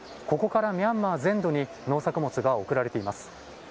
ここからミャンマー全土に農作物が送られています。